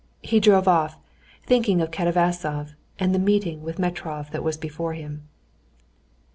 He drove off, thinking of Katavasov and the meeting with Metrov that was before him.